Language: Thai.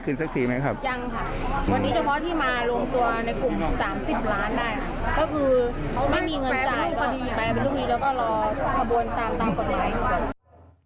ก็คือเขาไม่มีเงินจ่ายก็ไปเป็นรุ่นนี้แล้วก็รอถบวนตามกันไว้